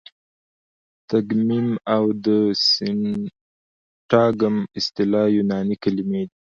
تګمیم او د سینټاګم اصطلاح یوناني کلیمې دي.